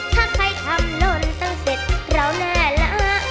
ถ้าใครทำโลญต้องเศษเราแน่ละ